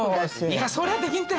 いやそれはできんて。